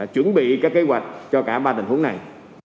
chuẩn bị các kế hoạch cho cả ba tình huống này